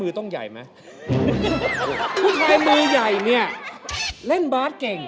เพียงมือใหญ่เนี่ยแบบแบบเล่นบาสเก่ง